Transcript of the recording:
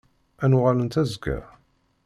Ad n-uɣalent azekka?